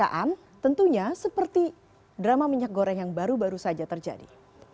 jadi kelangkaan tentunya seperti drama minyak goreng yang baru baru saja terjadi